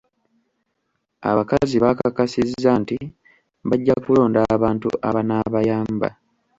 Abakazi baakakasizza nti bajja kulonda abantu abanaabayamba.